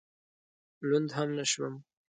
لوند هم نه شوم.